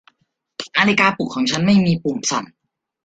นาฬิกาปลุกของฉันไม่มีปุ่มสั่น